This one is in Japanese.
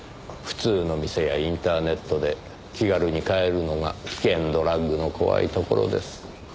普通の店やインターネットで気軽に買えるのが危険ドラッグの怖いところです。